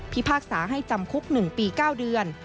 พากษาให้จำคุก๑ปี๙เดือน